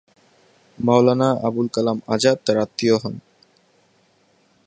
মাওলানা আবুল কালাম আজাদ তার আত্মীয় হন।